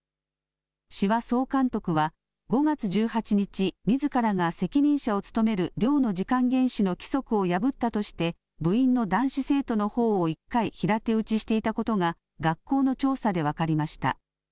志波総監督は、５月１８日、みずからが責任者を務める寮の時間厳守の規則を破ったとして、部員の男子生徒のほおを１回平手打ちしていたことが、学校の調査で分かりました。